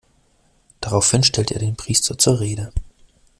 Daraufhin stellte er den Priester zur Rede.